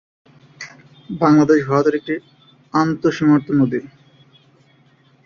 বাংলাদেশ-ভারতের একটি আন্তঃসীমান্ত নদী।